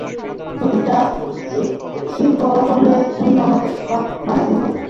প্রতিটা সিঙ্কহোলের জন্য আমাদের বাঁধ বানাতে হবে।